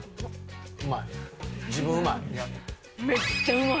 うまい？